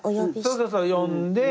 そうそうそう呼んで。